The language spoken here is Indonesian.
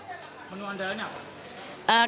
menu andalanya apa